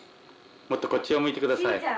もっとこっちを見てください。